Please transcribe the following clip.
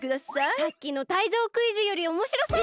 さっきのタイゾウクイズよりおもしろそう！